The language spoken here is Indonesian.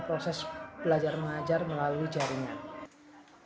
proses belajar mengajar melalui jaringan